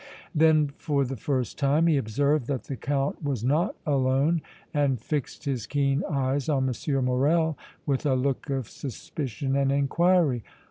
Then, for the first time, he observed that the Count was not alone and fixed his keen eyes on M. Morrel with a look of suspicion and inquiry.